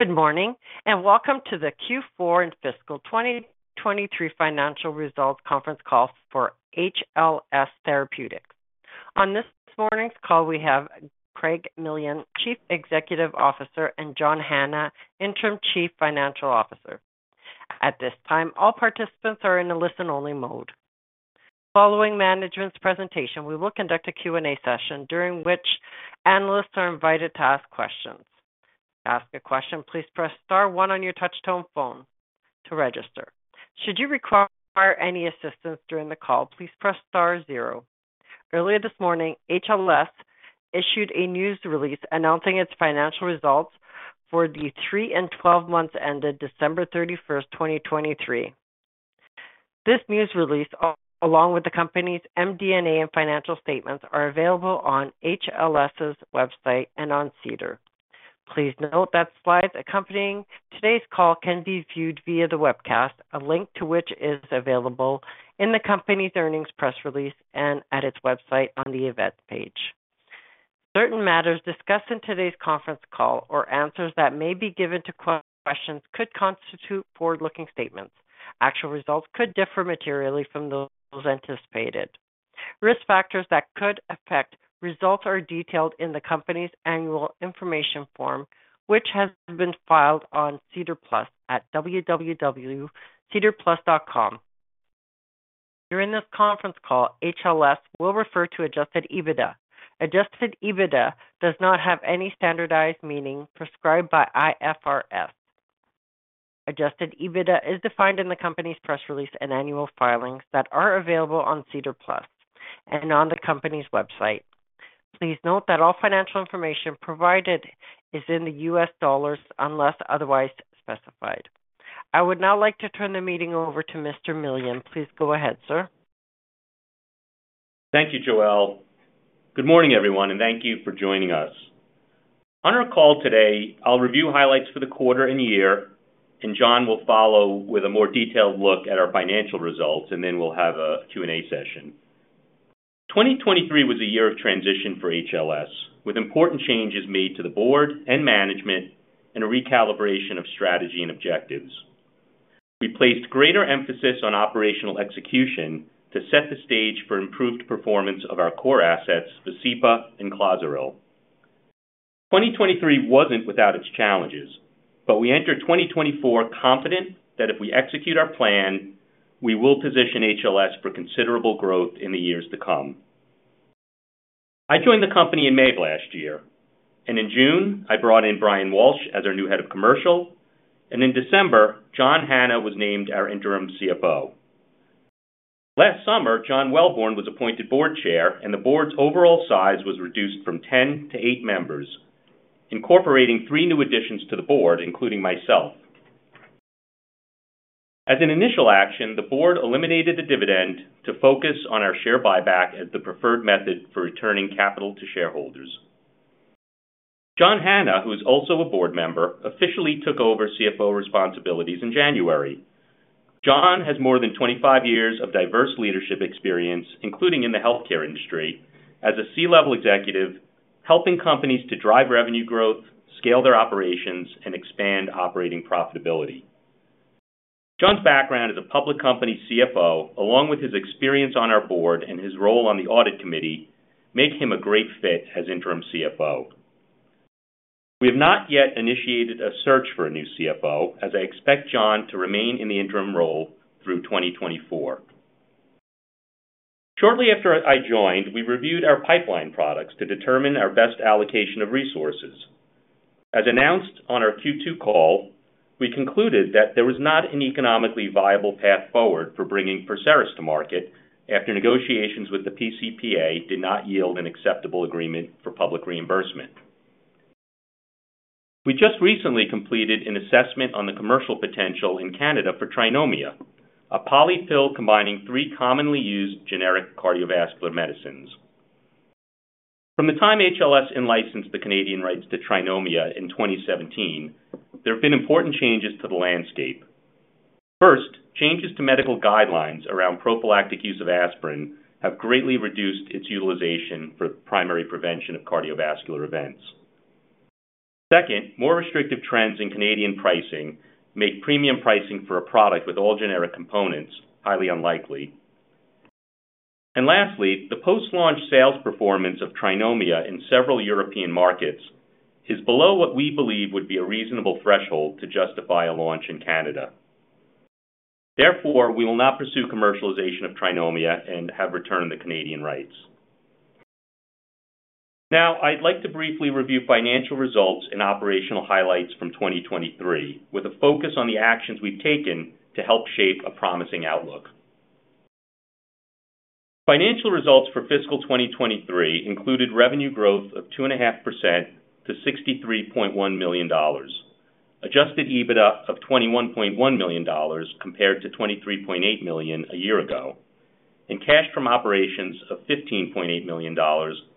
Good morning, and welcome to the Q4 and Fiscal 2023 Financial Results Conference Call for HLS Therapeutics. On this morning's call, we have Craig Millian, Chief Executive Officer, and John Hanna, Interim Chief Financial Officer. At this time, all participants are in a listen-only mode. Following management's presentation, we will conduct a Q&A session during which analysts are invited to ask questions. To ask a question, please press star one on your touchtone phone to register. Should you require any assistance during the call, please press star zero. Earlier this morning, HLS issued a news release announcing its financial results for the three and 12 months ended December 31st, 2023. This news release, along with the company's MD&A and financial statements, are available on HLS's website and on SEDAR. Please note that slides accompanying today's call can be viewed via the webcast, a link to which is available in the company's earnings press release and at its website on the events page. Certain matters discussed in today's conference call or answers that may be given to questions could constitute forward-looking statements. Actual results could differ materially from those anticipated. Risk factors that could affect results are detailed in the company's annual information form, which has been filed on SEDAR+ at www.sedarplus.com. During this conference call, HLS will refer to adjusted EBITDA. Adjusted EBITDA does not have any standardized meaning prescribed by IFRS. Adjusted EBITDA is defined in the company's press release and annual filings that are available on SEDAR+ and on the company's website. Please note that all financial information provided is in U.S. dollars, unless otherwise specified. I would now like to turn the meeting over to Mr. Millian. Please go ahead, sir. Thank you, Joelle. Good morning, everyone, and thank you for joining us. On our call today, I'll review highlights for the quarter and year, and John will follow with a more detailed look at our financial results, and then we'll have a Q&A session. 2023 was a year of transition for HLS, with important changes made to the board and management and a recalibration of strategy and objectives. We placed greater emphasis on operational execution to set the stage for improved performance of our core assets, Vascepa and Clozaril. 2023 wasn't without its challenges, but we enter 2024 confident that if we execute our plan, we will position HLS for considerable growth in the years to come. I joined the company in May of last year, and in June, I brought in Brian Walsh as our new Head of Commercial, and in December, John Hanna was named our interim CFO. Last summer, John Welborn was appointed Board Chair, and the board's overall size was reduced from 10 to eight members, incorporating three new additions to the board, including myself. As an initial action, the board eliminated the dividend to focus on our share buyback as the preferred method for returning capital to shareholders. John Hanna, who is also a board member, officially took over CFO responsibilities in January. John has more than 25 years of diverse leadership experience, including in the healthcare industry, as a C-level executive, helping companies to drive revenue growth, scale their operations, and expand operating profitability. John's background as a public company CFO, along with his experience on our board and his role on the audit committee, make him a great fit as interim CFO. We have not yet initiated a search for a new CFO, as I expect John to remain in the interim role through 2024. Shortly after I joined, we reviewed our pipeline products to determine our best allocation of resources. As announced on our Q2 call, we concluded that there was not an economically viable path forward for bringing PERSERIS to market after negotiations with the pCPA did not yield an acceptable agreement for public reimbursement. We just recently completed an assessment on the commercial potential in Canada for Trinomia, a polypill combining three commonly used generic cardiovascular medicines. From the time HLS in-licensed the Canadian rights to Trinomia in 2017, there have been important changes to the landscape. First, changes to medical guidelines around prophylactic use of Aspirin have greatly reduced its utilization for primary prevention of cardiovascular events. Second, more restrictive trends in Canadian pricing make premium pricing for a product with all generic components highly unlikely. And lastly, the post-launch sales performance of Trinomia in several European markets is below what we believe would be a reasonable threshold to justify a launch in Canada. Therefore, we will not pursue commercialization of Trinomia and have returned the Canadian rights. Now, I'd like to briefly review financial results and operational highlights from 2023, with a focus on the actions we've taken to help shape a promising outlook. Financial results for fiscal 2023 included revenue growth of 2.5% to $63.1 million, adjusted EBITDA of $21.1 million compared to $23.8 million a year ago, and cash from operations of $15.8 million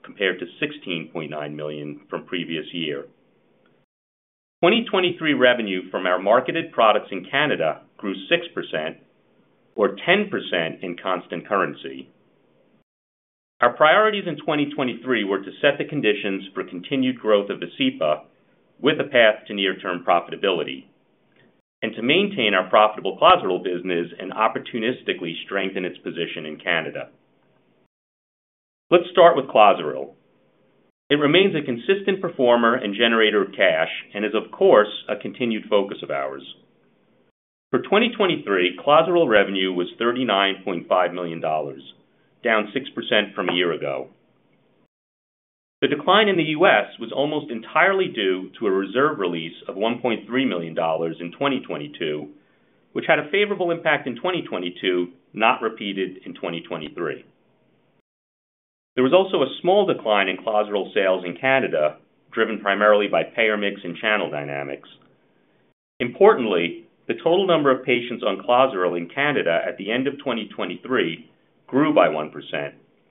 compared to $16.9 million from previous year. 2023 revenue from our marketed products in Canada grew 6% or 10% in constant currency. Our priorities in 2023 were to set the conditions for continued growth of Vascepa, with a path to near-term profitability, and to maintain our profitable Clozaril business and opportunistically strengthen its position in Canada. Let's start with Clozaril. It remains a consistent performer and generator of cash, and is, of course, a continued focus of ours. For 2023, Clozaril revenue was $39.5 million, down 6% from a year ago. The decline in the U.S. was almost entirely due to a reserve release of $1.3 million in 2022, which had a favorable impact in 2022, not repeated in 2023. There was also a small decline in Clozaril sales in Canada, driven primarily by payer mix and channel dynamics. Importantly, the total number of patients on Clozaril in Canada at the end of 2023 grew by 1%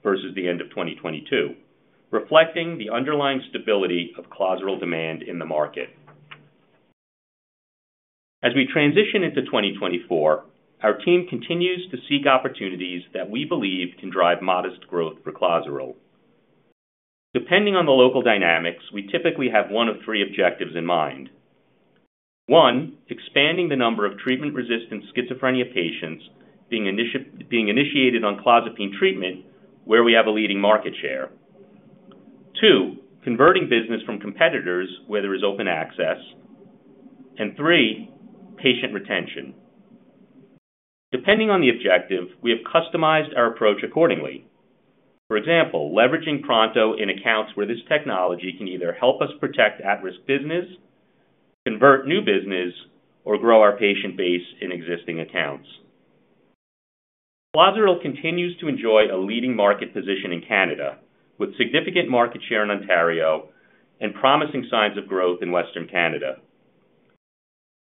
versus the end of 2022, reflecting the underlying stability of Clozaril demand in the market. As we transition into 2024, our team continues to seek opportunities that we believe can drive modest growth for Clozaril. Depending on the local dynamics, we typically have one of three objectives in mind. One, expanding the number of treatment-resistant schizophrenia patients being initiated on clozapine treatment, where we have a leading market share. Two, converting business from competitors where there is open access. And three, patient retention. Depending on the objective, we have customized our approach accordingly. For example, leveraging Pronto in accounts where this technology can either help us protect at-risk business, convert new business, or grow our patient base in existing accounts. Clozaril continues to enjoy a leading market position in Canada, with significant market share in Ontario and promising signs of growth in Western Canada.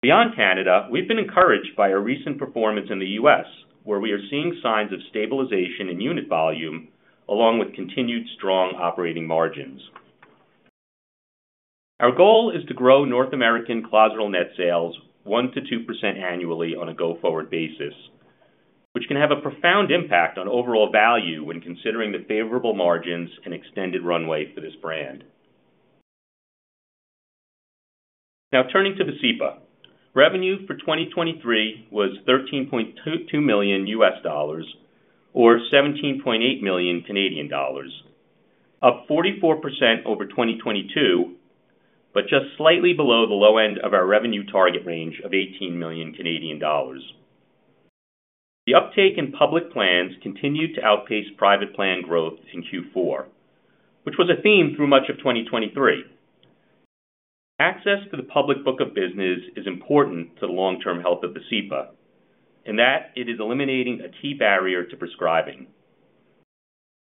Beyond Canada, we've been encouraged by our recent performance in the U.S., where we are seeing signs of stabilization in unit volume, along with continued strong operating margins. Our goal is to grow North American Clozaril net sales 1%-2% annually on a go-forward basis, which can have a profound impact on overall value when considering the favorable margins and extended runway for this brand. Now, turning to Vascepa. Revenue for 2023 was $13.22 million, or 17.8 million Canadian dollars, up 44% over 2022, but just slightly below the low end of our revenue target range of 18 million Canadian dollars. The uptake in public plans continued to outpace private plan growth in Q4, which was a theme through much of 2023. Access to the public book of business is important to the long-term health of Vascepa, in that it is eliminating a key barrier to prescribing.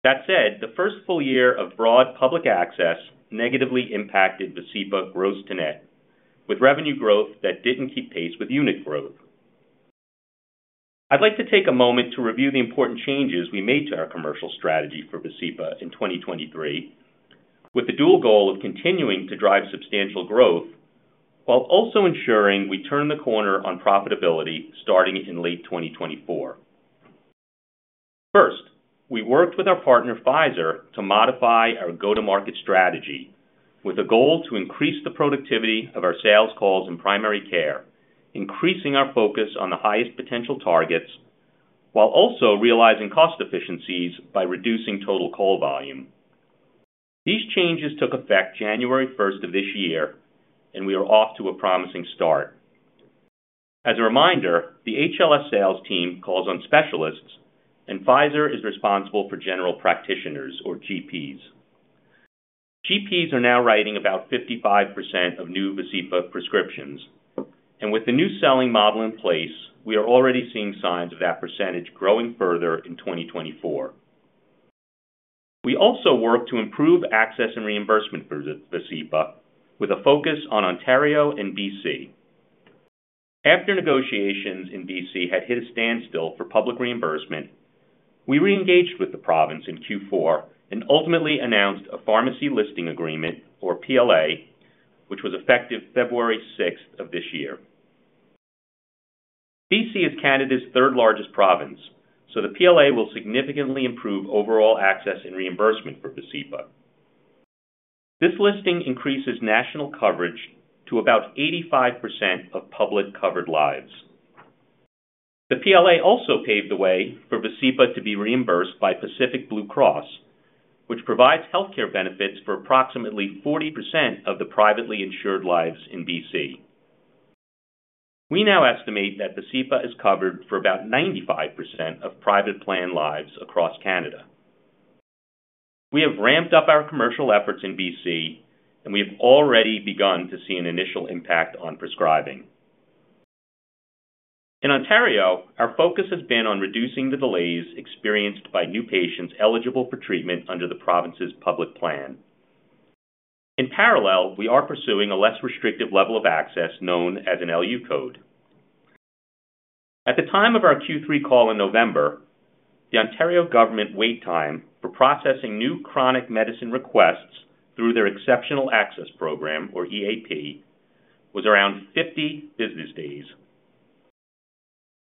That said, the first full year of broad public access negatively impacted Vascepa gross to net, with revenue growth that didn't keep pace with unit growth. I'd like to take a moment to review the important changes we made to our commercial strategy for Vascepa in 2023, with the dual goal of continuing to drive substantial growth while also ensuring we turn the corner on profitability starting in late 2024. First, we worked with our partner, Pfizer, to modify our go-to-market strategy with a goal to increase the productivity of our sales calls in primary care, increasing our focus on the highest potential targets, while also realizing cost efficiencies by reducing total call volume. These changes took effect January 1st of this year, and we are off to a promising start. As a reminder, the HLS sales team calls on specialists, and Pfizer is responsible for general practitioners or GPs. GPs are now writing about 55% of new Vascepa prescriptions, and with the new selling model in place, we are already seeing signs of that percentage growing further in 2024. We also work to improve access and reimbursement for Vascepa with a focus on Ontario and BC. After negotiations in BC had hit a standstill for public reimbursement, we reengaged with the province in Q4 and ultimately announced a pharmacy listing agreement, or PLA, which was effective February 6th of this year. BC is Canada's third largest province, so the PLA will significantly improve overall access and reimbursement for Vascepa. This listing increases national coverage to about 85% of public covered lives. The PLA also paved the way for Vascepa to be reimbursed by Pacific Blue Cross, which provides healthcare benefits for approximately 40% of the privately insured lives in BC. We now estimate that Vascepa is covered for about 95% of private plan lives across Canada. We have ramped up our commercial efforts in BC, and we have already begun to see an initial impact on prescribing. In Ontario, our focus has been on reducing the delays experienced by new patients eligible for treatment under the province's public plan. In parallel, we are pursuing a less restrictive level of access known as an LU code. At the time of our Q3 call in November, the Ontario government wait time for processing new chronic medicine requests through their Exceptional Access Program, or EAP, was around 50 business days.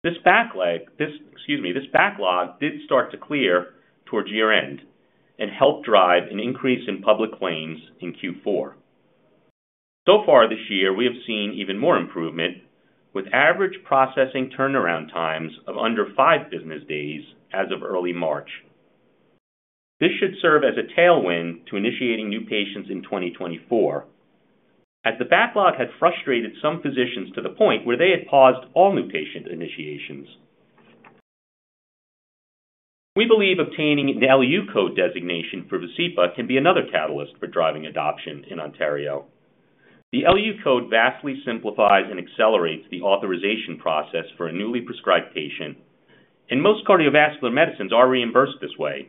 This backlog did start to clear towards year-end and helped drive an increase in public claims in Q4. So far this year, we have seen even more improvement, with average processing turnaround times of under five business days as of early March. This should serve as a tailwind to initiating new patients in 2024, as the backlog had frustrated some physicians to the point where they had paused all new patient initiations. We believe obtaining an LU Code designation for Vascepa can be another catalyst for driving adoption in Ontario. The LU code vastly simplifies and accelerates the authorization process for a newly prescribed patient, and most cardiovascular medicines are reimbursed this way.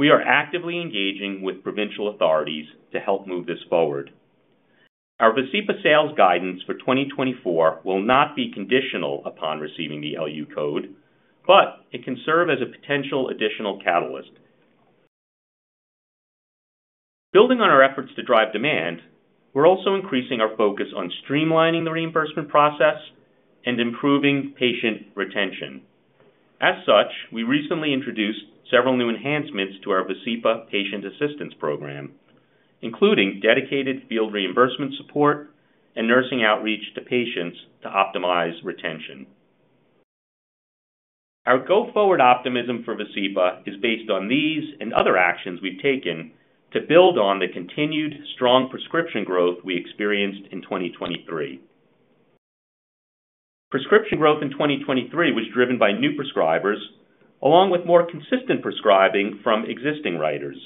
We are actively engaging with provincial authorities to help move this forward. Our Vascepa sales guidance for 2024 will not be conditional upon receiving the LU code, but it can serve as a potential additional catalyst. Building on our efforts to drive demand, we're also increasing our focus on streamlining the reimbursement process and improving patient retention. As such, we recently introduced several new enhancements to our Vascepa Patient Assistance Program, including dedicated field reimbursement support and nursing outreach to patients to optimize retention. Our go-forward optimism for Vascepa is based on these and other actions we've taken to build on the continued strong prescription growth we experienced in 2023. Prescription growth in 2023 was driven by new prescribers, along with more consistent prescribing from existing writers.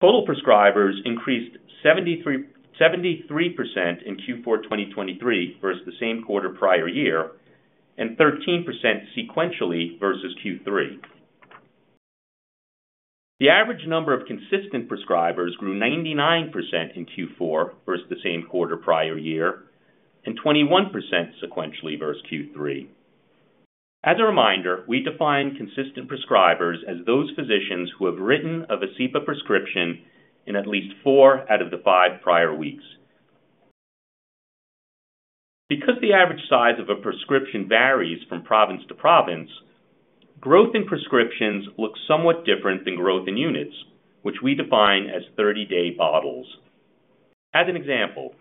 Total prescribers increased 73% in Q4 2023 versus the same quarter prior year, and 13% sequentially versus Q3. The average number of consistent prescribers grew 99% in Q4 versus the same quarter prior year, and 21% sequentially versus Q3. As a reminder, we define consistent prescribers as those physicians who have written a Vascepa prescription in at least four out of the five prior weeks. Because the average size of a prescription varies from province to province, growth in prescriptions looks somewhat different than growth in units, which we define as 30-day bottles. As an example,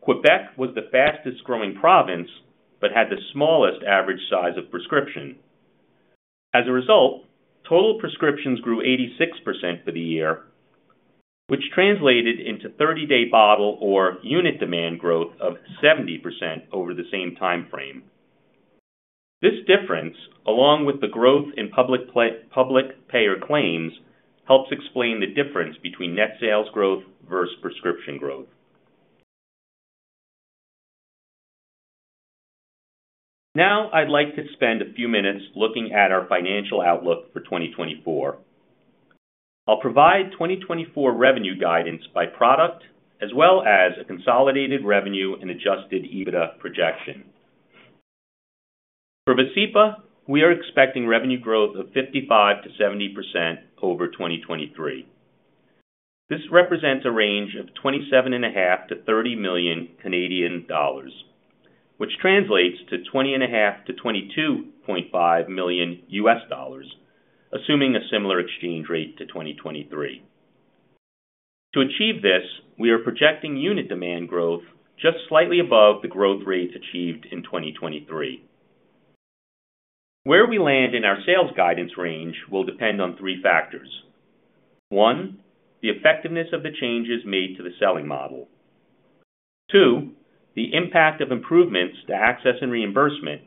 Quebec was the fastest growing province, but had the smallest average size of prescription. As a result, total prescriptions grew 86% for the year, which translated into 30-day bottle or unit demand growth of 70% over the same time frame. This difference, along with the growth in public payer claims, helps explain the difference between net sales growth versus prescription growth. Now, I'd like to spend a few minutes looking at our financial outlook for 2024. I'll provide 2024 revenue guidance by product, as well as a consolidated revenue and adjusted EBITDA projection. For Vascepa, we are expecting revenue growth of 55%-70% over 2023. This represents a range of 27.5 million-30 million Canadian dollars, which translates to $20.5 million-$22.5 million, assuming a similar exchange rate to 2023. To achieve this, we are projecting unit demand growth just slightly above the growth rates achieved in 2023. Where we land in our sales guidance range will depend on three factors. One, the effectiveness of the changes made to the selling model. Two, the impact of improvements to access and reimbursement,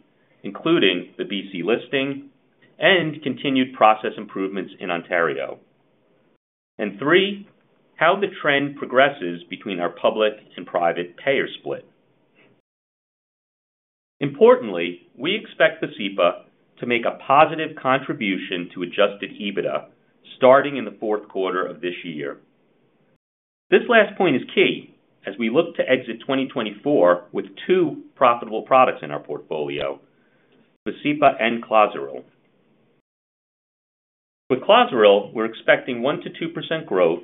including the BC listing and continued process improvements in Ontario. And three, how the trend progresses between our public and private payer split. Importantly, we expect Vascepa to make a positive contribution to adjusted EBITDA starting in the fourth quarter of this year. This last point is key as we look to exit 2024 with two profitable products in our portfolio, Vascepa and Clozaril. With Clozaril, we're expecting 1%-2% growth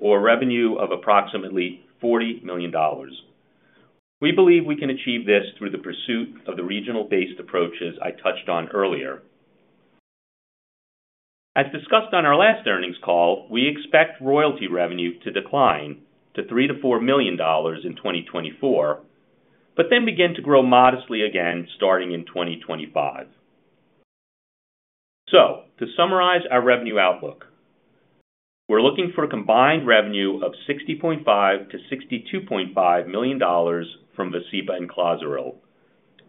or revenue of approximately $40 million. We believe we can achieve this through the pursuit of the regional-based approaches I touched on earlier. As discussed on our last earnings call, we expect royalty revenue to decline to $3 million-$4 million in 2024, but then begin to grow modestly again starting in 2025. So to summarize our revenue outlook, we're looking for a combined revenue of $60.5 million-$62.5 million from Vascepa and Clozaril,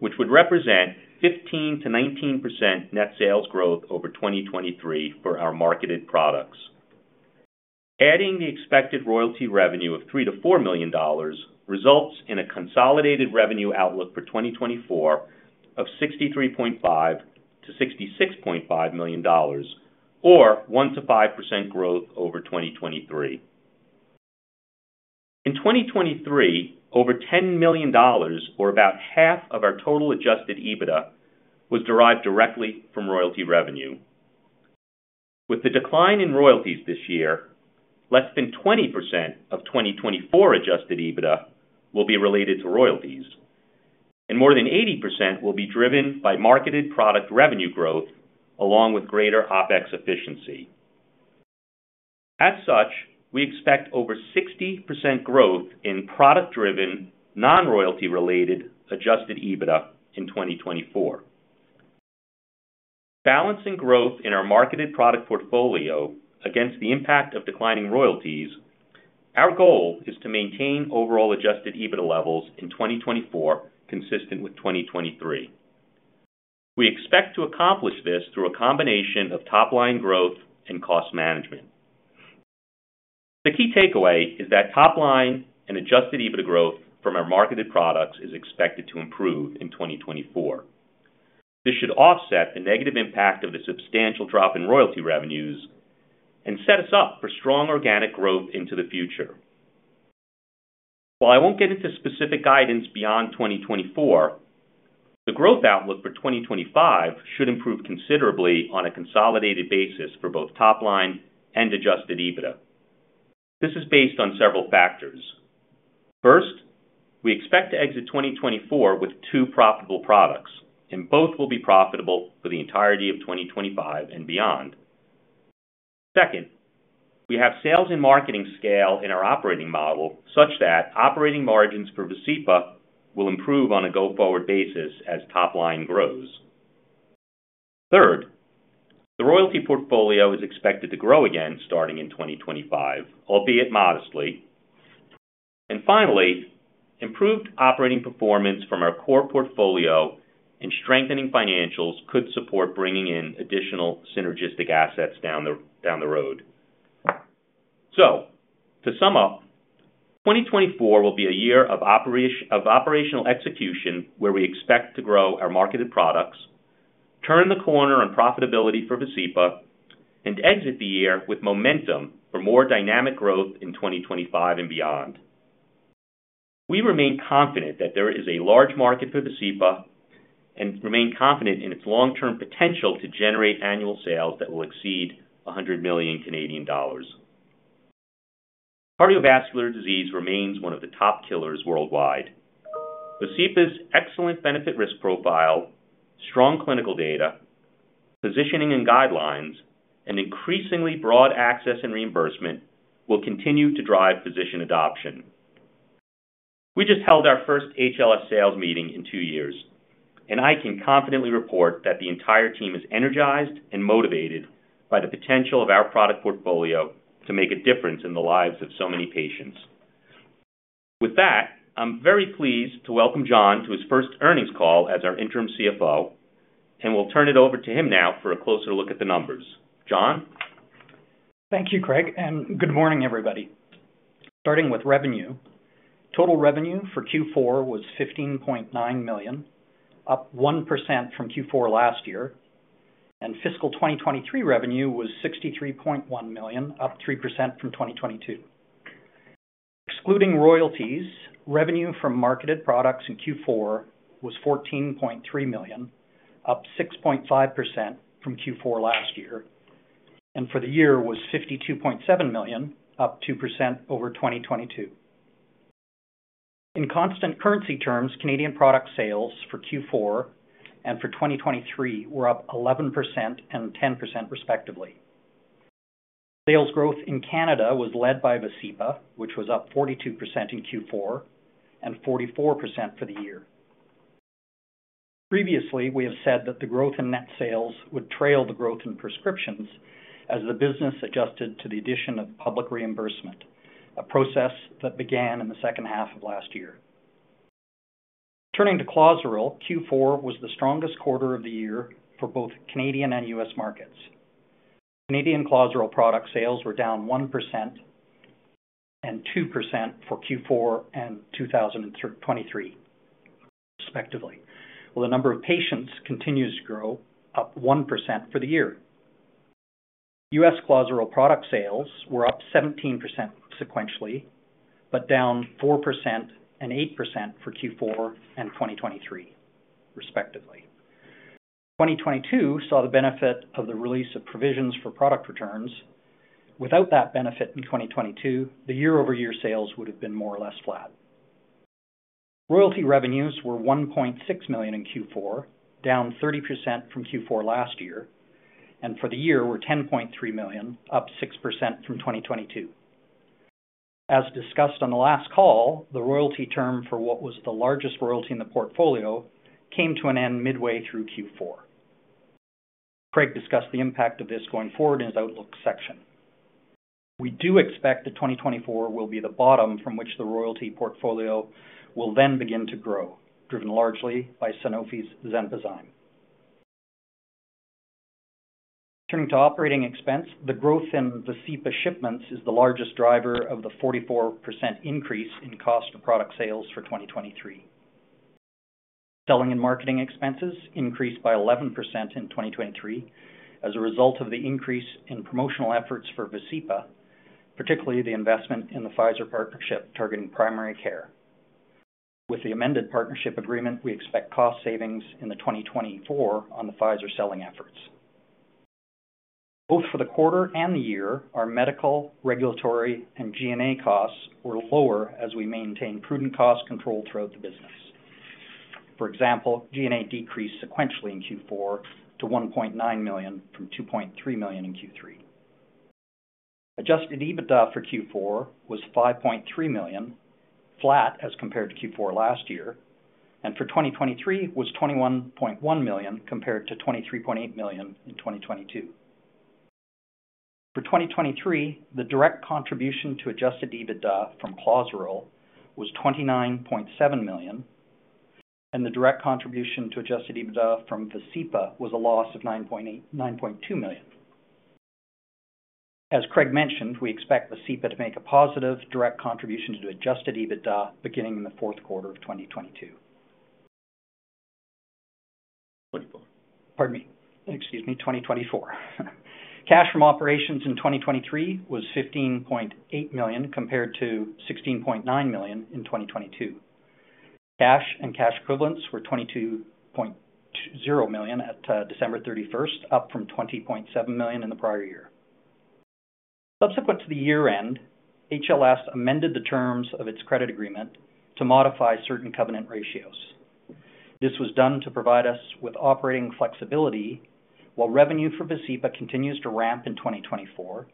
which would represent 15%-19% net sales growth over 2023 for our marketed products. Adding the expected royalty revenue of $3 million-$4 million results in a consolidated revenue outlook for 2024 of $63.5 million-$66.5 million or 1%-5% growth over 2023. In 2023, over $10 million, or about half of our total adjusted EBITDA, was derived directly from royalty revenue. With the decline in royalties this year, less than 20% of 2024 adjusted EBITDA will be related to royalties, and more than 80% will be driven by marketed product revenue growth, along with greater OpEx efficiency. As such, we expect over 60% growth in product-driven, non-royalty related adjusted EBITDA in 2024. Balancing growth in our marketed product portfolio against the impact of declining royalties, our goal is to maintain overall adjusted EBITDA levels in 2024, consistent with 2023. We expect to accomplish this through a combination of top line growth and cost management. The key takeaway is that top line and adjusted EBITDA growth from our marketed products is expected to improve in 2024. This should offset the negative impact of the substantial drop in royalty revenues and set us up for strong organic growth into the future. While I won't get into specific guidance beyond 2024, the growth outlook for 2025 should improve considerably on a consolidated basis for both top line and adjusted EBITDA. This is based on several factors. First, we expect to exit 2024 with two profitable products, and both will be profitable for the entirety of 2025 and beyond. Second, we have sales and marketing scale in our operating model such that operating margins for Vascepa will improve on a go-forward basis as top line grows. Third, the royalty portfolio is expected to grow again starting in 2025, albeit modestly. And finally, improved operating performance from our core portfolio and strengthening financials could support bringing in additional synergistic assets down the road. So to sum up, 2024 will be a year of operational execution, where we expect to grow our marketed products, turn the corner on profitability for Vascepa, and exit the year with momentum for more dynamic growth in 2025 and beyond. We remain confident that there is a large market for Vascepa, and remain confident in its long-term potential to generate annual sales that will exceed 100 million Canadian dollars. Cardiovascular disease remains one of the top killers worldwide. Vascepa's excellent benefit risk profile, strong clinical data, positioning and guidelines, and increasingly broad access and reimbursement will continue to drive physician adoption. We just held our first HLS sales meeting in two years, and I can confidently report that the entire team is energized and motivated by the potential of our product portfolio to make a difference in the lives of so many patients. With that, I'm very pleased to welcome John to his first earnings call as our Interim CFO, and we'll turn it over to him now for a closer look at the numbers. John? Thank you, Craig, and good morning, everybody. Starting with revenue. Total revenue for Q4 was $15.9 million, up 1% from Q4 last year, and fiscal 2023 revenue was $63.1 million, up 3% from 2022. Excluding royalties, revenue from marketed products in Q4 was $14.3 million, up 6.5% from Q4 last year, and for the year was $52.7 million, up 2% over 2022. In constant currency terms, Canadian product sales for Q4 and for 2023 were up 11% and 10% respectively. Sales growth in Canada was led by Vascepa, which was up 42% in Q4 and 44% for the year. Previously, we have said that the growth in net sales would trail the growth in prescriptions as the business adjusted to the addition of public reimbursement, a process that began in the second half of last year. Turning to Clozaril, Q4 was the strongest quarter of the year for both Canadian and U.S. markets. Canadian Clozaril product sales were down 1% and 2% for Q4 and 2023, respectively, while the number of patients continues to grow, up 1% for the year. U.S. Clozaril product sales were up 17% sequentially, but down 4% and 8% for Q4 and 2023 respectively. 2022 saw the benefit of the release of provisions for product returns. Without that benefit in 2022, the year-over-year sales would have been more or less flat. Royalty revenues were $16 million in Q4, down 30% from Q4 last year, and for the year were $10.3 million, up 6% from 2022. As discussed on the last call, the royalty term for what was the largest royalty in the portfolio came to an end midway through Q4. Craig discussed the impact of this going forward in his outlook section. We do expect that 2024 will be the bottom from which the royalty portfolio will then begin to grow, driven largely by Sanofi's XENPOZYME. Turning to operating expense. The growth in Vascepa shipments is the largest driver of the 44% increase in cost of product sales for 2023. Selling and marketing expenses increased by 11% in 2023 as a result of the increase in promotional efforts for Vascepa, particularly the investment in the Pfizer partnership targeting primary care. With the amended partnership agreement, we expect cost savings in 2024 on the Pfizer selling efforts. Both for the quarter and the year, our medical, regulatory, and G&A costs were lower as we maintain prudent cost control throughout the business. For example, G&A decreased sequentially in Q4 to $1.9 million from $2.3 million in Q3. Adjusted EBITDA for Q4 was $5.3 million, flat as compared to Q4 last year, and for 2023 was $21.1 million, compared to $23.8 million in 2022. For 2023, the direct contribution to adjusted EBITDA from Clozaril was $29.7 million, and the direct contribution to adjusted EBITDA from Vascepa was a loss of $9.2 million. As Craig mentioned, we expect Vascepa to make a positive direct contribution to adjusted EBITDA beginning in the fourth quarter of 2022. Pardon me. Excuse me, 2024. Cash from operations in 2023 was $15.8 million, compared to $16.9 million in 2022. Cash and cash equivalents were $22.0 million at December 31st, up from $20.7 million in the prior year. Subsequent to the year-end, HLS amended the terms of its credit agreement to modify certain covenant ratios. This was done to provide us with operating flexibility while revenue for Vascepa continues to ramp in 2024,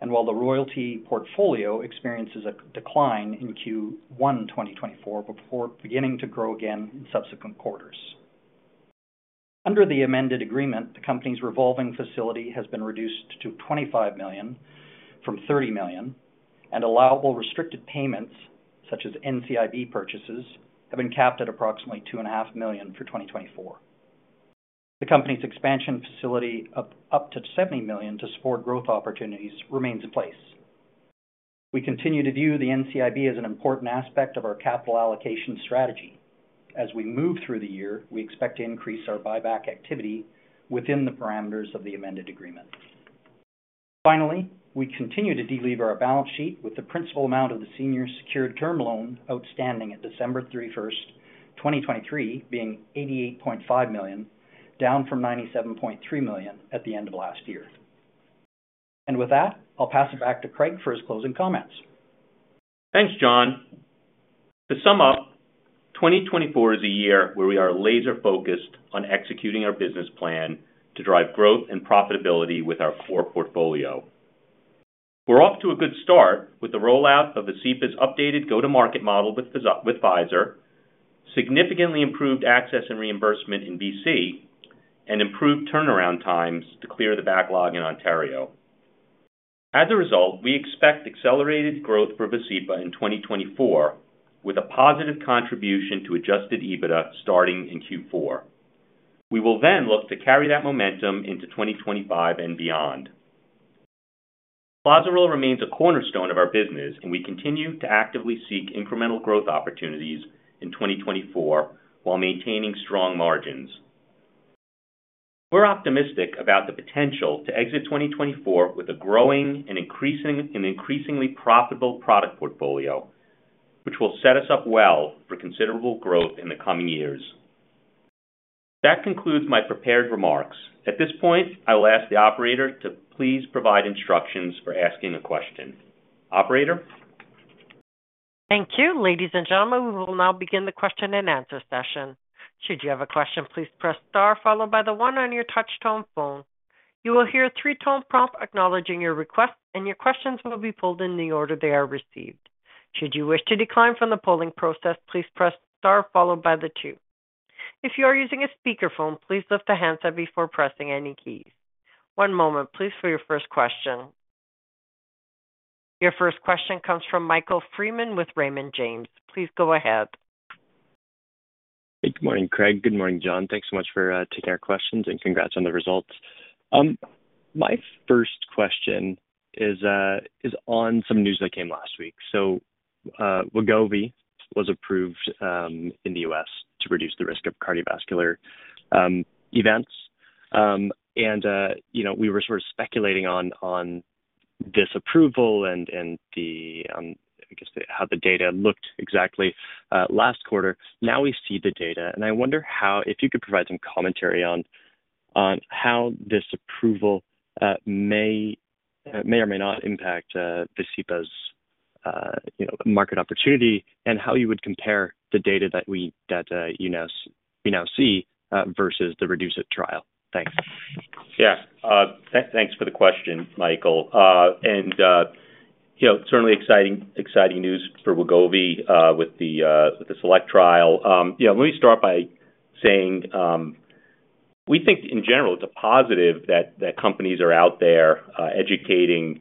and while the royalty portfolio experiences a decline in Q1 2024, before beginning to grow again in subsequent quarters. Under the amended agreement, the company's revolving facility has been reduced to $25 million from $30 million, and allowable restricted payments, such as NCIB purchases, have been capped at approximately $2.5 million for 2024. The company's expansion facility up to $70 million to support growth opportunities remains in place. We continue to view the NCIB as an important aspect of our capital allocation strategy. As we move through the year, we expect to increase our buyback activity within the parameters of the amended agreement. Finally, we continue to delever our balance sheet with the principal amount of the senior secured term loan outstanding at December 31st, 2023 being $88.5 million, down from $97.3 million at the end of last year. And with that, I'll pass it back to Craig for his closing comments. Thanks, John. To sum up, 2024 is a year where we are laser-focused on executing our business plan to drive growth and profitability with our core portfolio. We're off to a good start with the rollout of Vascepa's updated go-to-market model with Pfizer, significantly improved access and reimbursement in BC, and improved turnaround times to clear the backlog in Ontario. As a result, we expect accelerated growth for Vascepa in 2024, with a positive contribution to adjusted EBITDA starting in Q4. We will then look to carry that momentum into 2025 and beyond. Clozaril remains a cornerstone of our business, and we continue to actively seek incremental growth opportunities in 2024 while maintaining strong margins. We're optimistic about the potential to exit 2024 with a growing and increasingly profitable product portfolio, which will set us up well for considerable growth in the coming years. That concludes my prepared remarks. At this point, I will ask the operator to please provide instructions for asking a question. Operator? Thank you. Ladies and gentlemen, we will now begin the question-and-answer session. Should you have a question, please press star followed by the one on your touch tone phone. You will hear a three-tone prompt acknowledging your request, and your questions will be pulled in the order they are received. Should you wish to decline from the polling process, please press star followed by the two. If you are using a speakerphone, please lift the handset before pressing any keys. One moment, please, for your first question. Your first question comes from Michael Freeman with Raymond James. Please go ahead. Hey, good morning, Craig. Good morning, John. Thanks so much for taking our questions, and congrats on the results. My first question is on some news that came last week. So, Wegovy was approved in the U.S. to reduce the risk of cardiovascular events. And you know, we were sort of speculating on this approval and the I guess how the data looked exactly last quarter. Now, we see the data, and I wonder how if you could provide some commentary on how this approval may or may not impact Vascepa's you know market opportunity, and how you would compare the data that you now see versus the REDUCE-IT trial. Thanks. Yeah. Thanks for the question, Michael. You know, certainly exciting, exciting news for Wegovy with the SELECT trial. Yeah, let me start by saying, we think in general, it's a positive that companies are out there educating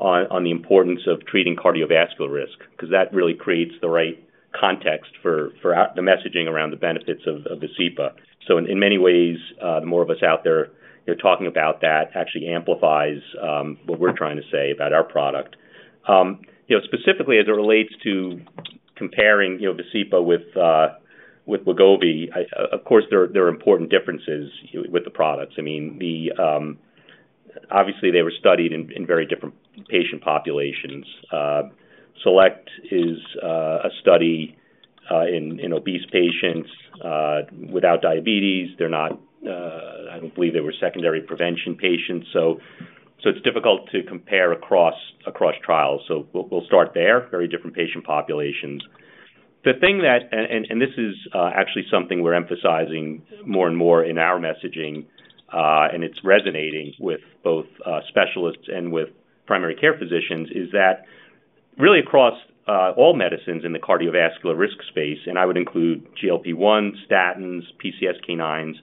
on the importance of treating cardiovascular risk, because that really creates the right context for the messaging around the benefits of Vascepa. So in many ways, the more of us out there, you know, talking about that actually amplifies what we're trying to say about our product. You know, specifically as it relates to comparing Vascepa with Wegovy, of course there are important differences with the products. I mean, obviously, they were studied in very different patient populations. SELECT is a study in obese patients without diabetes. They're not, I don't believe they were secondary prevention patients, so it's difficult to compare across trials. So we'll start there. Very different patient populations. The thing that this is actually something we're emphasizing more and more in our messaging, and it's resonating with both specialists and with primary care physicians, is that really across all medicines in the cardiovascular risk space, and I would include GLP-1, statins, PCSK9s,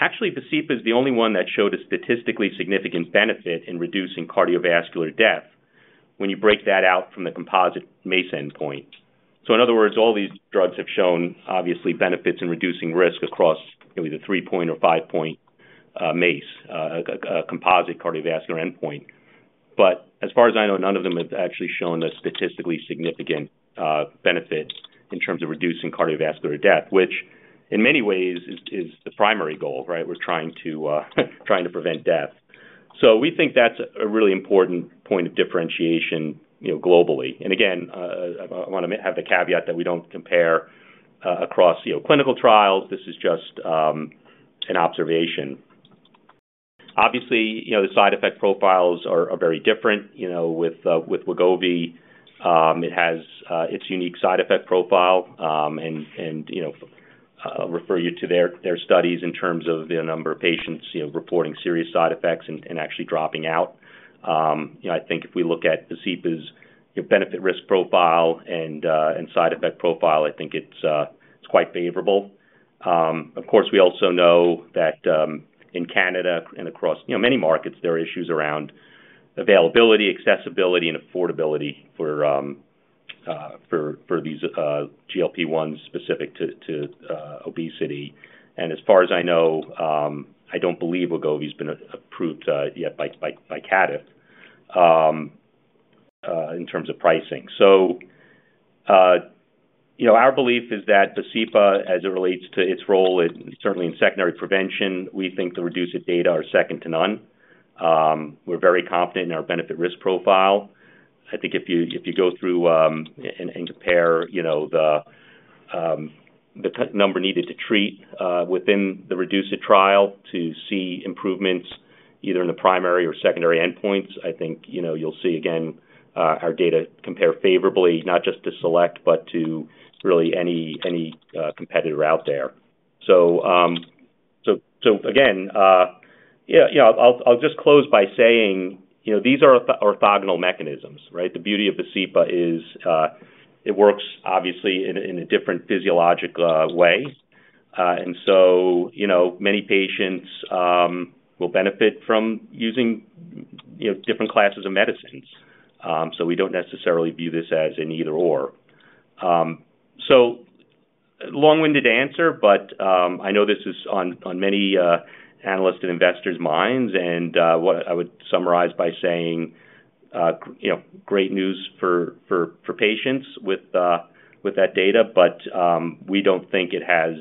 actually, Vascepa is the only one that showed a statistically significant benefit in reducing cardiovascular death when you break that out from the composite MACE endpoint. So in other words, all these drugs have shown obviously benefits in reducing risk across either the three-point or five-point MACE, a composite cardiovascular endpoint. But as far as I know, none of them have actually shown a statistically significant benefit in terms of reducing cardiovascular death, which in many ways is the primary goal, right? We're trying to prevent death. So we think that's a really important point of differentiation, you know, globally. And again, I wanna have the caveat that we don't compare across, you know, clinical trials. This is just an observation. Obviously, you know, the side effect profiles are very different. You know, with Wegovy, it has its unique side effect profile. And you know, I'll refer you to their studies in terms of the number of patients, you know, reporting serious side effects and actually dropping out. You know, I think if we look at Vascepa's, your benefit risk profile and, and side effect profile, I think it's, it's quite favorable. Of course, we also know that, in Canada and across, you know, many markets, there are issues around availability, accessibility, and affordability for, for these, GLP-1s specific to obesity. And as far as I know, I don't believe Wegovy's been approved, yet by, by, by CADTH, in terms of pricing. So, you know, our belief is that Vascepa, as it relates to its role, certainly in secondary prevention, we think the REDUCE-IT data are second to none. We're very confident in our benefit risk profile. I think if you, if you go through, and, and compare, you know, the, the number needed to treat, within the REDUCE-IT trial to see improvements either in the primary or secondary endpoints, I think, you know, you'll see again, our data compare favorably, not just to SELECT, but to really any, any, competitor out there. So, so again, yeah, yeah, I'll, I'll just close by saying, you know, these are orthogonal mechanisms, right? The beauty of Vascepa is, it works obviously in a, in a different physiologic, way. And so, you know, many patients, will benefit from using, you know, different classes of medicines. So we don't necessarily view this as an either or. So long-winded answer, but I know this is on many analysts' and investors' minds, and what I would summarize by saying, you know, great news for patients with that data, but we don't think it has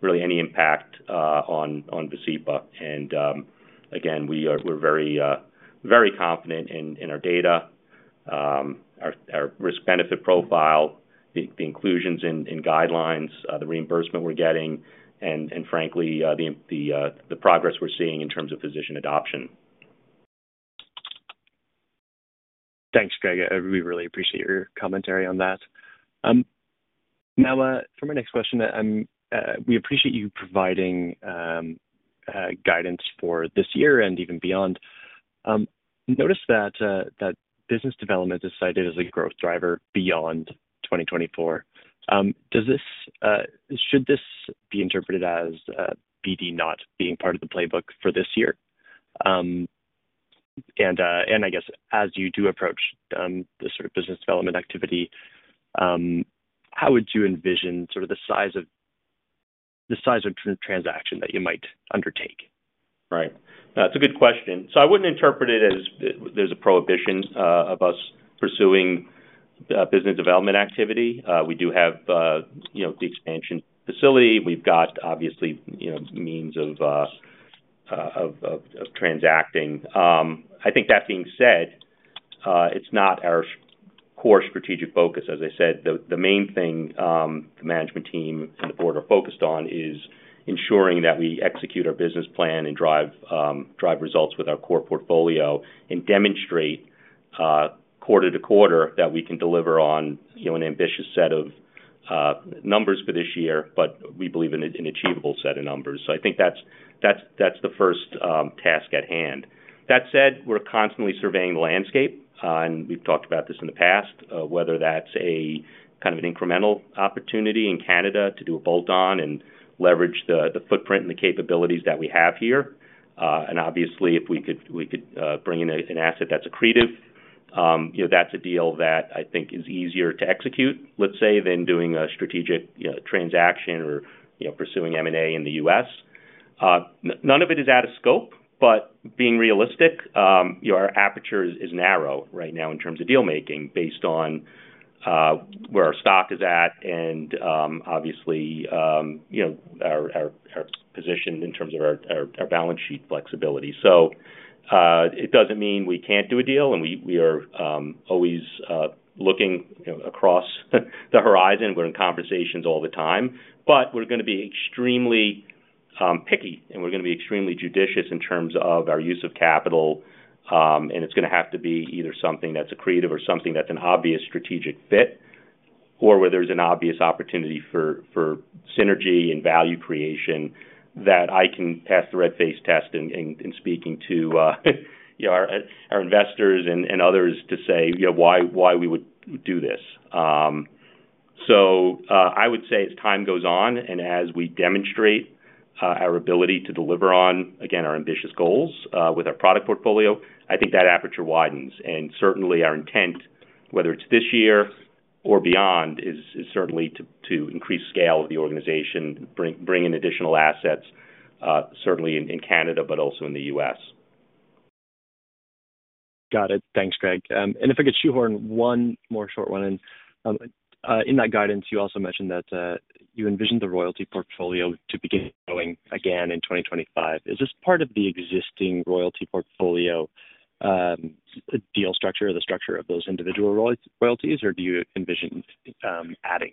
really any impact on Vascepa. And again, we're very confident in our data, our risk-benefit profile, the inclusions in guidelines, the reimbursement we're getting, and frankly, the progress we're seeing in terms of physician adoption. Thanks, Greg. We really appreciate your commentary on that. Now, for my next question, we appreciate you providing guidance for this year and even beyond. Noticed that business development is cited as a growth driver beyond 2024. Should this be interpreted as BD not being part of the playbook for this year? And, I guess as you do approach this sort of business development activity, how would you envision the size of transaction that you might undertake? Right. That's a good question. So I wouldn't interpret it as there's a prohibition of us pursuing business development activity. We do have, you know, the expansion facility. We've got obviously, you know, means of transacting. I think that being said, it's not our core strategic focus. As I said, the main thing, the management team and the board are focused on is ensuring that we execute our business plan and drive results with our core portfolio, and demonstrate quarter-to-quarter that we can deliver on, you know, an ambitious set of numbers for this year, but we believe an achievable set of numbers. So I think that's the first task at hand. That said, we're constantly surveying the landscape, and we've talked about this in the past, whether that's a kind of an incremental opportunity in Canada to do a bolt-on and leverage the footprint and the capabilities that we have here. And obviously, if we could bring in an asset that's accretive, you know, that's a deal that I think is easier to execute, let's say, than doing a strategic transaction or, you know, pursuing M&A in the U.S. None of it is out of scope, but being realistic, your aperture is narrow right now in terms of deal-making, based on where our stock is at and, obviously, you know, our position in terms of our balance sheet flexibility. So, it doesn't mean we can't do a deal, and we are always looking, you know, across the horizon. We're in conversations all the time, but we're gonna be extremely picky, and we're gonna be extremely judicious in terms of our use of capital. And it's gonna have to be either something that's accretive or something that's an obvious strategic fit, or where there's an obvious opportunity for synergy and value creation, that I can pass the red face test in speaking to, you know, our investors and others to say, you know, why we would do this. So, I would say as time goes on and as we demonstrate our ability to deliver on, again, our ambitious goals with our product portfolio, I think that aperture widens. Certainly our intent, whether it's this year or beyond, is certainly to increase scale of the organization, bring in additional assets, certainly in Canada, but also in the U.S. Got it. Thanks, Craig. If I could shoehorn one more short one in. In that guidance, you also mentioned that you envisioned the royalty portfolio to begin growing again in 2025. Is this part of the existing royalty portfolio deal structure or the structure of those individual royalties, or do you envision adding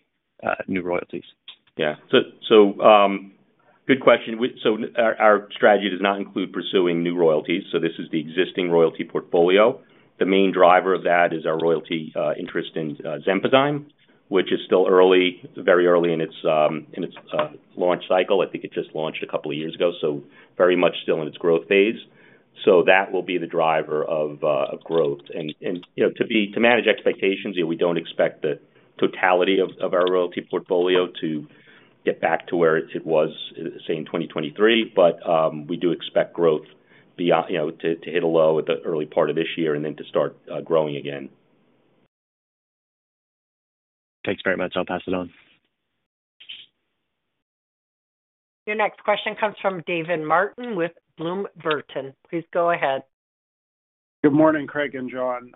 new royalties? Yeah. So good question. Our strategy does not include pursuing new royalties, so this is the existing royalty portfolio. The main driver of that is our royalty interest in XENPOZYME, which is still early, very early in its launch cycle. I think it just launched a couple of years ago, so very much still in its growth phase. So that will be the driver of growth. And you know, to manage expectations, you know, we don't expect the totality of our royalty portfolio to get back to where it was, say, in 2023. But we do expect growth beyond. You know, to hit a low at the early part of this year and then to start growing again. Thanks very much. I'll pass it on. Your next question comes from David Martin with Bloom Burton. Please go ahead. Good morning, Craig and John.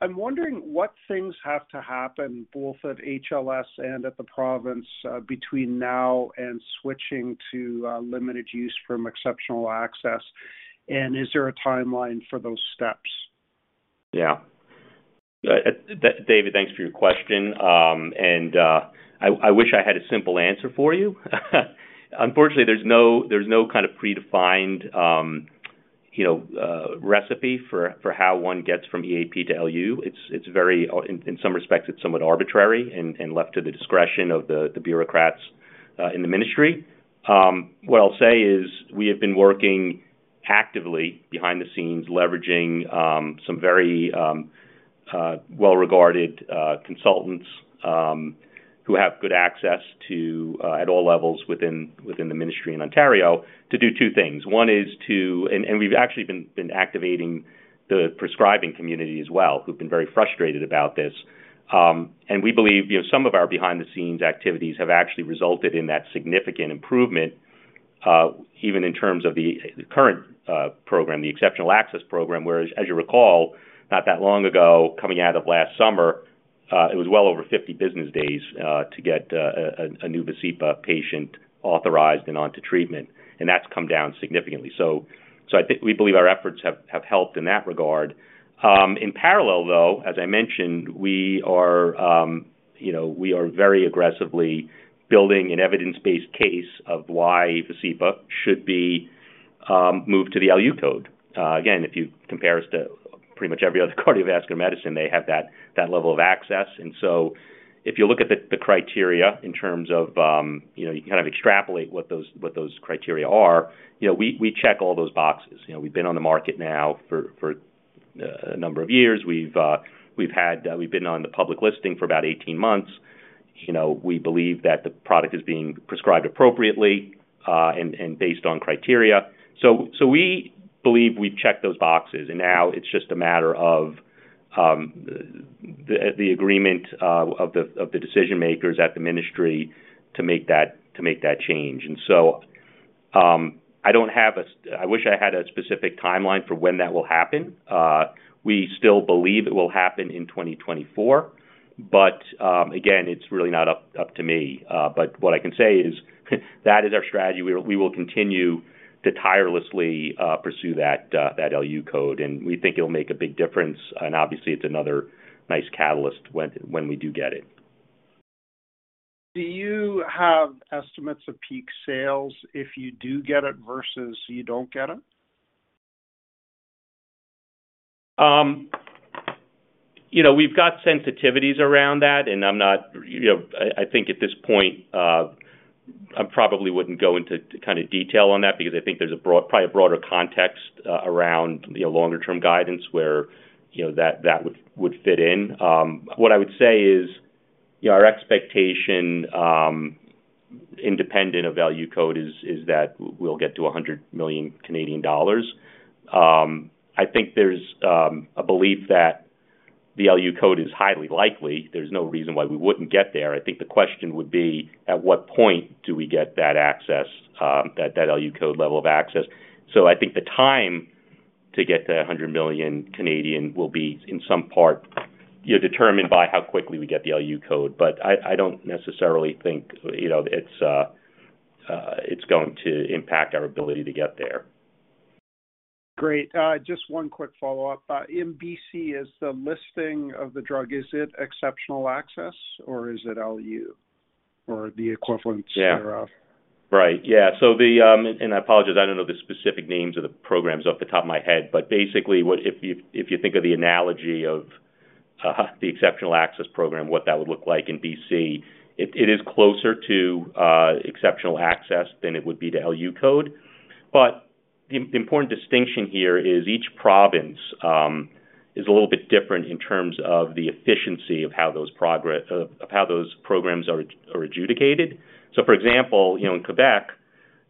I'm wondering what things have to happen, both at HLS and at the province, between now and switching to limited use from exceptional access. Is there a timeline for those steps? Yeah. David, thanks for your question. And I wish I had a simple answer for you. Unfortunately, there's no kind of predefined, you know, recipe for how one gets from EAP to LU. It's very, in some respects, it's somewhat arbitrary and left to the discretion of the bureaucrats in the ministry. What I'll say is, we have been working actively behind the scenes, leveraging some very well-regarded consultants who have good access to at all levels within the ministry in Ontario, to do two things. One is to, and we've actually been activating the prescribing community as well, who've been very frustrated about this. And we believe, you know, some of our behind-the-scenes activities have actually resulted in that significant improvement, even in terms of the current program, the Exceptional Access Program. Whereas, as you recall, not that long ago, coming out of last summer, it was well over 50 business days to get a new Vascepa patient authorized and onto treatment, and that's come down significantly. So I think we believe our efforts have helped in that regard. In parallel, though, as I mentioned, we are, you know, we are very aggressively building an evidence-based case of why Vascepa should be moved to the LU code. Again, if you compare us to pretty much every other cardiovascular medicine, they have that level of access. And so if you look at the criteria in terms of, you know, you can kind of extrapolate what those criteria are. You know, we check all those boxes. You know, we've been on the market now for a number of years. We've been on the public listing for about 18 months. You know, we believe that the product is being prescribed appropriately and based on criteria. So we believe we've checked those boxes, and now it's just a matter of the agreement of the decision makers at the ministry to make that change. And so I don't have a specific timeline. I wish I had a specific timeline for when that will happen. We still believe it will happen in 2024, but again, it's really not up to me. But what I can say is, that is our strategy. We will continue to tirelessly pursue that LU code, and we think it'll make a big difference, and obviously it's another nice catalyst when we do get it. Do you have estimates of peak sales if you do get it versus you don't get it? You know, we've got sensitivities around that, and I'm not, You know, I, I think at this point, I probably wouldn't go into kind of detail on that because I think there's a broad, probably a broader context, around, you know, longer-term guidance where, you know, that, that would, would fit in. What I would say is, you know, our expectation, independent of LU code is, is that we'll get to 100 million Canadian dollars. I think there's, a belief that the LU code is highly likely. There's no reason why we wouldn't get there. I think the question would be, at what point do we get that access, that, that LU code level of access? So I think the time to get to 100 million will be in some part determined by how quickly we get the LU code. But I don't necessarily think, you know, it's going to impact our ability to get there. Great. Just one quick follow-up. In BC, is the listing of the drug, is it exceptional access or is it LU, or the equivalent thereof? Yeah. Right. Yeah, so the, and I apologize, I don't know the specific names of the programs off the top of my head, but basically, if you, if you think of the analogy of the Exceptional Access Program, what that would look like in BC, it is closer to exceptional access than it would be to LU code. But the important distinction here is each province is a little bit different in terms of the efficiency of how those programs are adjudicated. So, for example, you know, in Quebec,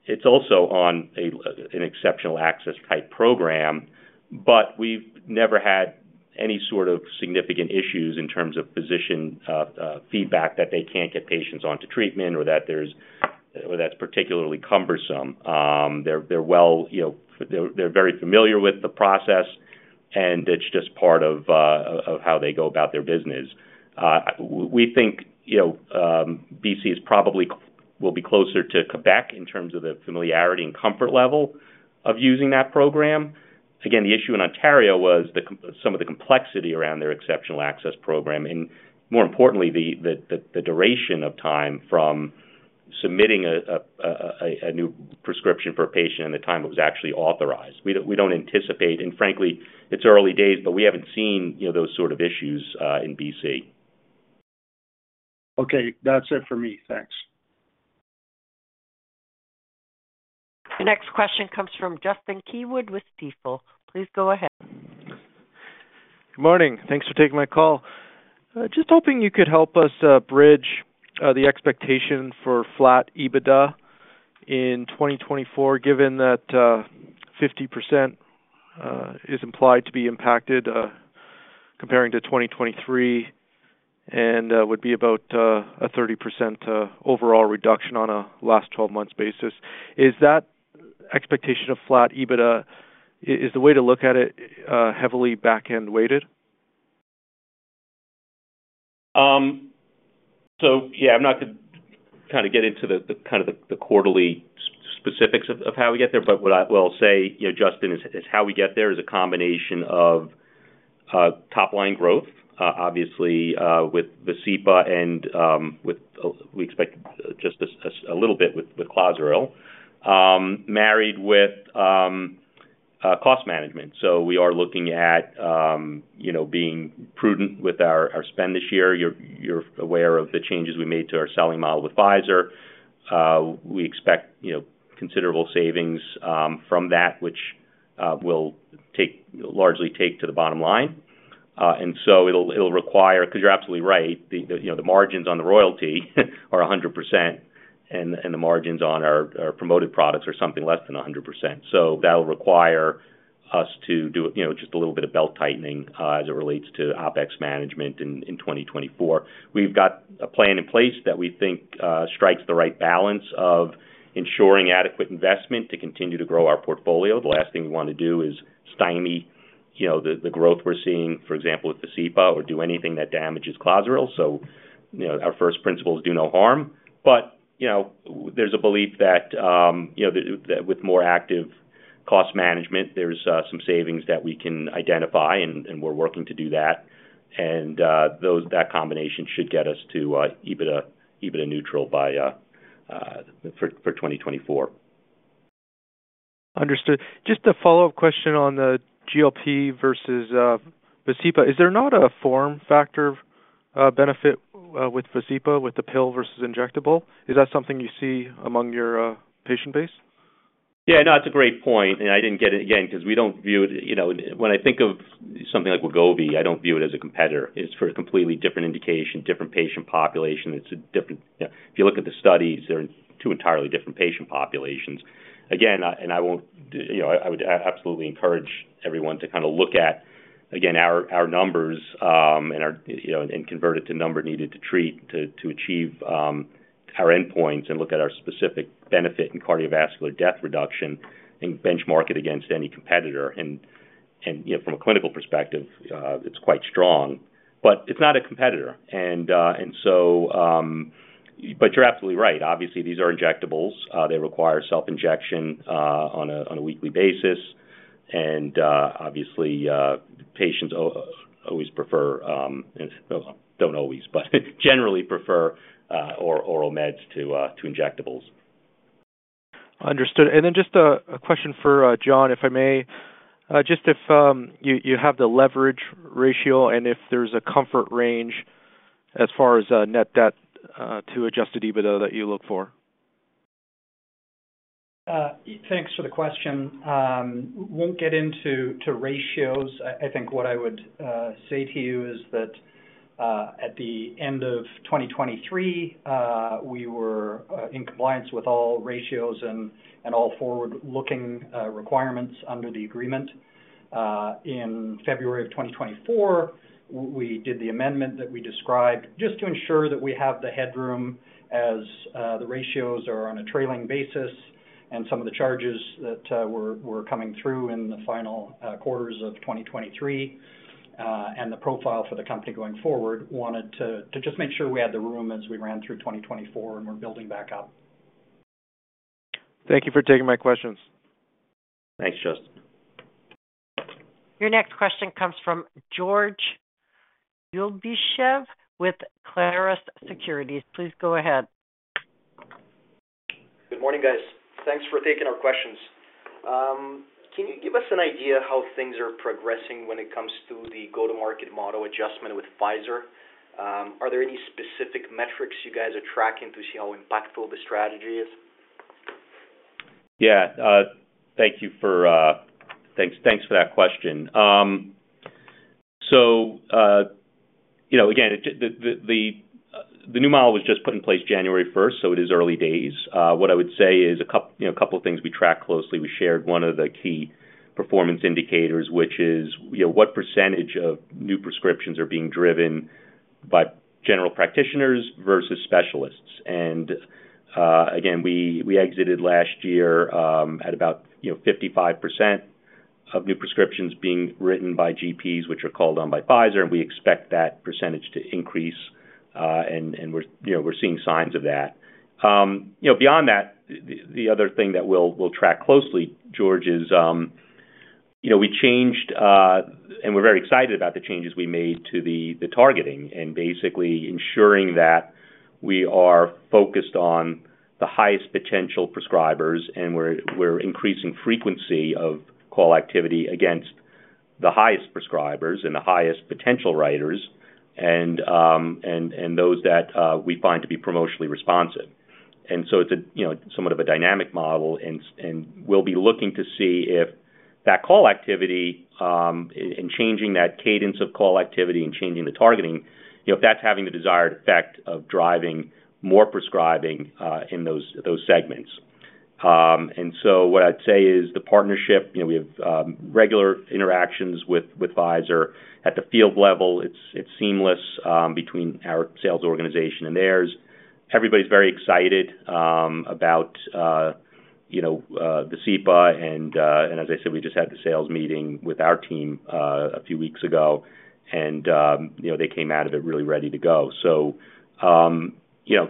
it's also on a exceptional access type program, but we've never had any sort of significant issues in terms of physician feedback that they can't get patients onto treatment or that's particularly cumbersome. They're very familiar with the process, and it's just part of how they go about their business. We think, you know, BC is probably closer to Quebec in terms of the familiarity and comfort level of using that program. Again, the issue in Ontario was some of the complexity around their Exceptional Access Program, and more importantly, the duration of time from submitting a new prescription for a patient and the time it was actually authorized. We don't anticipate and frankly, it's early days, but we haven't seen, you know, those sort of issues in BC. Okay, that's it for me. Thanks. The next question comes from Justin Keywood with Stifel. Please go ahead. Good morning. Thanks for taking my call. Just hoping you could help us bridge the expectation for flat EBITDA in 2024, given that 50% is implied to be impacted comparing to 2023, and would be about a 30% overall reduction on a last 12 months basis. Is that expectation of flat EBITDA, is the way to look at it, heavily back-end weighted? I'm not gonna get into the quarterly specifics of how we get there, but what I will say, you know, Justin, is how we get there is a combination of top-line growth, obviously, with Vascepa and we expect just a little bit with Clozaril, married with cost management. So we are looking at, you know, being prudent with our spend this year. You're aware of the changes we made to our selling model with Pfizer. We expect, you know, considerable savings from that, which will largely take to the bottom line. And so it'll require. Because you're absolutely right, the, you know, the margins on the royalty are 100%, and, and the margins on our, our promoted products are something less than 100%. So that will require us to do, you know, just a little bit of belt-tightening, as it relates to OpEx management in, in 2024. We've got a plan in place that we think, strikes the right balance of ensuring adequate investment to continue to grow our portfolio. The last thing we want to do is stymie, you know, the, the growth we're seeing, for example, with Vascepa or do anything that damages Clozaril. So, you know, our first principle is do no harm. But, you know, there's a belief that, you know, that, that with more active cost management, there's, some savings that we can identify, and, and we're working to do that. That combination should get us to for 2024. Understood. Just a follow-up question on the GLP versus Vascepa. Is there not a form factor benefit with Vascepa, with the pill versus injectable? Is that something you see among your patient base? Yeah, no, that's a great point, and I didn't get it, again, because we don't view it. You know, when I think of something like Wegovy, I don't view it as a competitor. It's for a completely different indication, different patient population. It's a different, you know. If you look at the studies, they're two entirely different patient populations. Again, and I won't, you know, I would absolutely encourage everyone to kind of look at, again, our numbers, and our, you know, and convert it to number needed to treat, to achieve our endpoints and look at our specific benefit in cardiovascular death reduction and benchmark it against any competitor. And, you know, from a clinical perspective, it's quite strong, but it's not a competitor. But you're absolutely right. Obviously, these are injectables. They require self-injection on a weekly basis, and obviously, patients always prefer, don't always, but generally prefer oral meds to injectables. Understood. Then just a question for John, if I may. Just if you have the leverage ratio and if there's a comfort range as far as net debt to adjusted EBITDA that you look for. Thanks for the question. Won't get into ratios. I think what I would say to you is that at the end of 2023, we were in compliance with all ratios and all forward-looking requirements under the agreement. In February of 2024, we did the amendment that we described, just to ensure that we have the headroom as the ratios are on a trailing basis and some of the charges that were coming through in the final quarters of 2023, and the profile for the company going forward, wanted to just make sure we had the room as we ran through 2024 and we're building back up. Thank you for taking my questions. Thanks, Justin. Your next question comes from George Ulybyshev with Clarus Securities. Please go ahead. Good morning, guys. Thanks for taking our questions. Can you give us an idea how things are progressing when it comes to the go-to-market model adjustment with Pfizer? Are there any specific metrics you guys are tracking to see how impactful the strategy is? Yeah, thank you for, thanks, thanks for that question. So, you know, again, the new model was just put in place January first, so it is early days. What I would say is a couple of things we track closely. We shared one of the key performance indicators, which is, you know, what percentage of new prescriptions are being driven by general practitioners versus specialists. And, again, we exited last year at about, you know, 55% of new prescriptions being written by GPs, which are called on by Pfizer, and we expect that percentage to increase. And we're, you know, we're seeing signs of that. You know, beyond that, the other thing that we'll track closely, George, is we’re very excited about the changes we made to the targeting, and basically ensuring that we are focused on the highest potential prescribers, and we're increasing frequency of call activity against the highest prescribers and the highest potential writers and those that we find to be promotionally responsive. So it's a, you know, somewhat of a dynamic model, and we'll be looking to see if that call activity in changing that cadence of call activity and changing the targeting, you know, if that's having the desired effect of driving more prescribing in those segments. So what I'd say is the partnership, you know, we have regular interactions with Pfizer. At the field level, it's seamless between our sales organization and theirs. Everybody's very excited about, you know, Vascepa. And as I said, we just had the sales meeting with our team a few weeks ago, and you know, they came out of it really ready to go. So you know,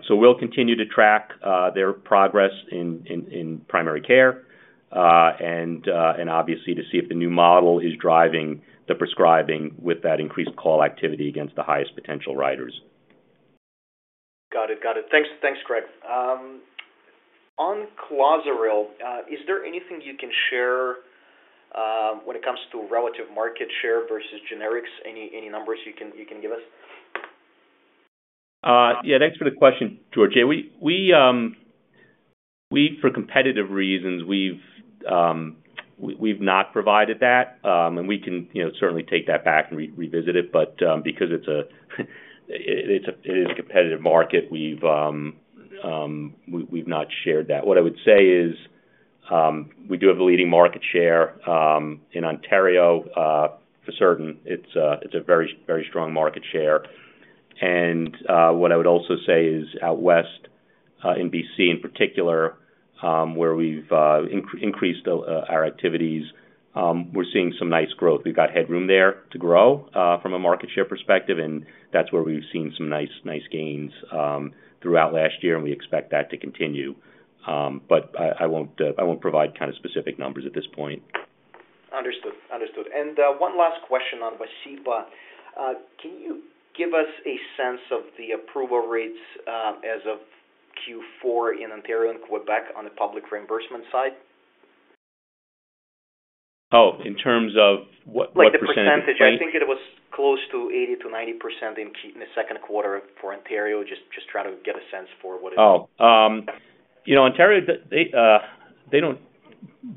so we'll continue to track their progress in primary care, and obviously to see if the new model is driving the prescribing with that increased call activity against the highest potential writers. Got it. Got it. Thanks. Thanks, Greg. On Clozaril, is there anything you can share when it comes to relative market share versus generics? Any numbers you can give us? Yeah, thanks for the question, George. Yeah, we for competitive reasons, we've not provided that. And we can, you know, certainly take that back and revisit it. But because it's a competitive market, we've not shared that. What I would say is, we do have a leading market share in Ontario. For certain, it's a very strong market share. And what I would also say is, out west, in BC in particular, where we've increased our activities, we're seeing some nice growth. We've got headroom there to grow from a market share perspective, and that's where we've seen some nice gains throughout last year, and we expect that to continue. But I won't provide kind of specific numbers at this point. Understood. Understood. And, one last question on Vascepa. Can you give us a sense of the approval rates, as of Q4 in Ontario and Quebec on the public reimbursement side? Oh, in terms of what, what percentage. Like the percentage. Right. I think it was close to 80%-90% in the second quarter for Ontario. Just trying to get a sense for what it is. Oh, you know, Ontario, they don't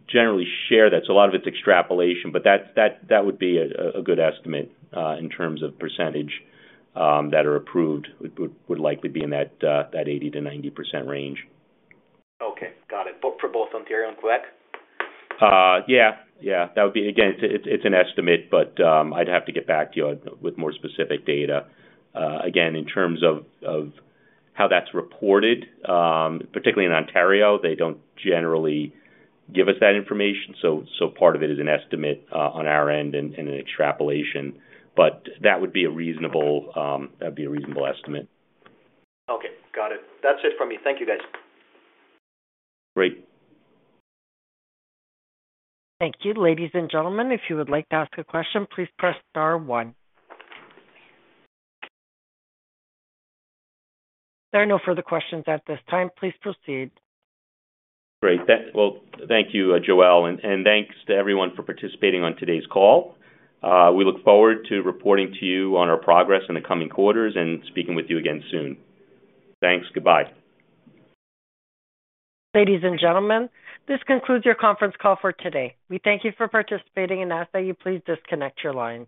generally share that, so a lot of it's extrapolation. But that would be a good estimate in terms of percentage that are approved would likely be in that 80%-90% range. Okay, got it. Both for both Ontario and Quebec? Yeah, yeah, that would be. Again, it's an estimate, but I'd have to get back to you with more specific data. Again, in terms of how that's reported, particularly in Ontario, they don't generally give us that information, so part of it is an estimate on our end and an extrapolation, but that would be a reasonable estimate. Okay, got it. That's it from me. Thank you, guys. Great. Thank you. Ladies and gentlemen, if you would like to ask a question, please press star one. There are no further questions at this time. Please proceed. Great. Well, thank you, Joelle, and thanks to everyone for participating on today's call. We look forward to reporting to you on our progress in the coming quarters and speaking with you again soon. Thanks. Goodbye. Ladies and gentlemen, this concludes your conference call for today. We thank you for participating and ask that you please disconnect your lines.